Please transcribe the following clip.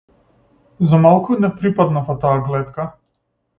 За малку не припаднав од таа глетка.